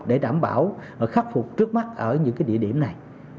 để đảm bảo khắc phục trước mắt ở những địa điểm này